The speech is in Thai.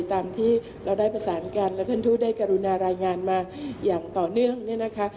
ตามที่เราได้ประสานกันและท่านทูตได้กรุณารายงานมาอย่างต่อเนื่องเนี่ยนะคะ